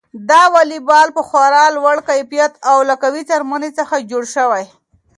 دا واليبال په خورا لوړ کیفیت او له قوي څرمنې څخه جوړ شوی.